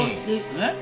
えっ？